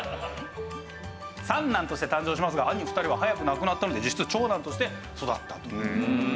三男として誕生しますが兄２人は早く亡くなったので実質長男として育ったと。